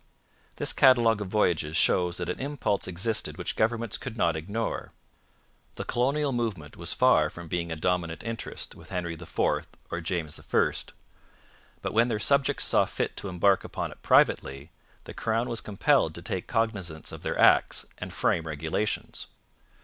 This catalogue of voyages shows that an impulse existed which governments could not ignore. The colonial movement was far from being a dominant interest with Henry IV or James I, but when their subjects saw fit to embark upon it privately, the crown was compelled to take cognizance of their acts and frame regulations.